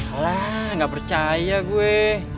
alah gak percaya gue